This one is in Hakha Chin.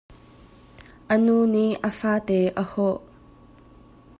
A nu nih a fate a hawh.